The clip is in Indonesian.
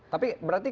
tapi berarti kok